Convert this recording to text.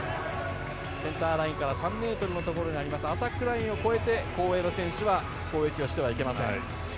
センターラインから３ｍのところにあるアタックラインを越えて後衛の選手は攻撃をしてはいけません。